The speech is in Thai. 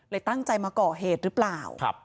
ตั้งใจมาก่อเหตุหรือเปล่า